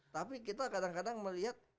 tapi kita kadang kadang melihat